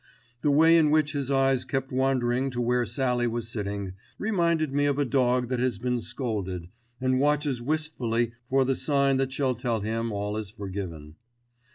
The way in which his eyes kept wandering to where Sallie was sitting, reminded me of a dog that has been scolded, and watches wistfully for the sign that shall tell him all is forgiven.